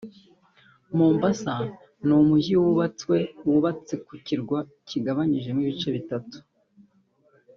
Mombasa ni umujyi wubatse ku kirwa kigabanyijemo ibice bitatu